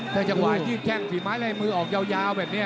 แต่จังหวายที่แท่งผีไม้ไล่มือออกยาวแบบนี้